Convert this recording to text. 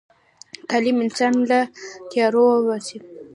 تعلیم انسان له تیارو وباسي.